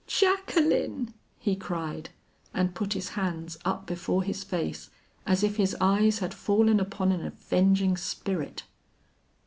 "Jacqueline!" he cried, and put his hands up before his face as if his eyes had fallen upon an avenging spirit.